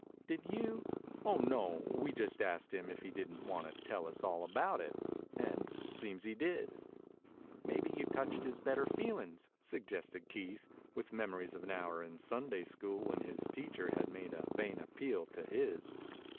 "Did you ?" "Oh, no! We just asked him if he didn't want to tell us all about it, and it seems he did." "Maybe you touched his better feelin's," suggested Keith, with memories of an hour in Sunday School when his teacher had made a vain appeal to his.